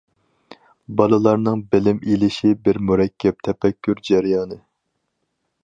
بالىلارنىڭ بىلىم ئېلىشى بىر مۇرەككەپ تەپەككۇر جەريانى.